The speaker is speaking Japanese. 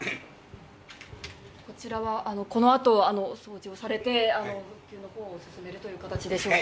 こちらはこのあと、掃除をされて、営業されるということでしょうか。